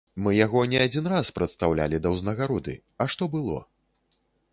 Мы яго не адзін раз прадстаўлялі да ўзнагароды, а што было?